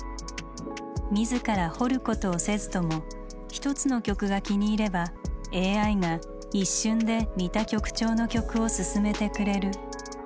自ら「掘る」ことをせずとも１つの曲が気に入ればＡＩが一瞬で似た曲調の曲を勧めてくれる。